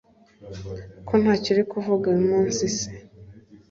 ko ntscyo uri kuvuga uyu munsi c?